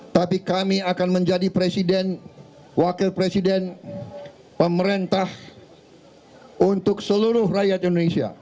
tapi kami akan menjadi presiden wakil presiden pemerintah untuk seluruh rakyat indonesia